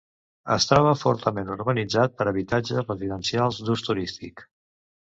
Es troba fortament urbanitzat per habitatges residencials d'ús turístic.